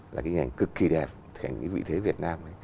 là cái hình ảnh cực kỳ đẹp hình ảnh vị thế việt nam